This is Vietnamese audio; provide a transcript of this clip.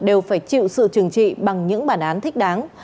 đều phải chịu sự trừng trị bằng những bản án thích đáng